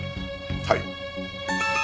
はい。